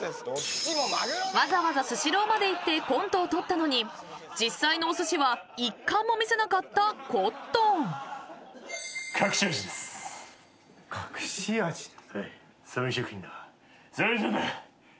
［わざわざスシローまで行ってコントを撮ったのに実際のおすしは一貫も見せなかったコットン］隠し味って。